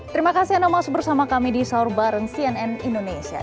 terima kasih anda masuk bersama kami di saurbaren cnn indonesia